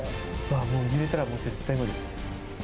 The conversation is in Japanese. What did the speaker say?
もう、揺れたら絶対無理。